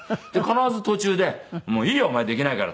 必ず途中で「もういいよお前できないから」